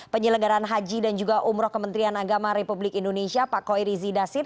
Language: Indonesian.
penyelenggaran haji dan juga umroh kementerian agama republik indonesia pak koiri zidasir